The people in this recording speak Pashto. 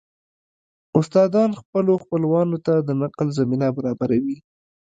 استادان خپلو خپلوانو ته د نقل زمينه برابروي